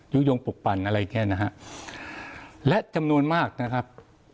ยุคโยงปกปรรรณอะไรอย่างเงี้ยนะฮะและจำนวนมากนะครับ